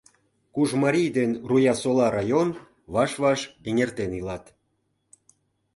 Кужмарий ден Руясола район ваш-ваш эҥертен илат.